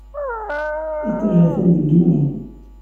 Iṭij atan deg yigenni.